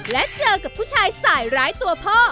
และเจอกับผู้ชายสายร้ายตัวพ่อ